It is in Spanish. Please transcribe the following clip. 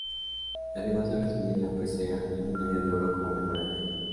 Además de recibir la Presea Luminaria de Oro como mejor actriz.